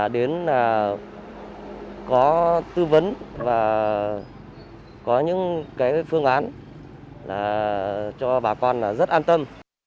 đến có tư vấn và có những phương án cho bà con rất an tâm